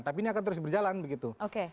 tapi ini akan terus berjalan begitu